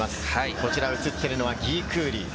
こちら映っているのはギー・クーリ。